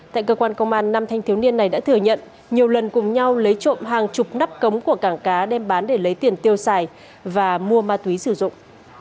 tại cơ quan công an năm thanh thiếu niên này đã thừa nhận nhiều lần cùng nhau lấy trộm hàng chục nắp cống của cảng cá đem bán để lấy tiền tiêu xài và mua ma túy sử dụng